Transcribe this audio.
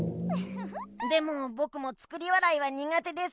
でもぼくも作り笑いはにがてです。